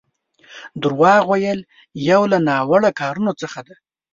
دروغ ويل يو له ناوړو کارونو څخه دی.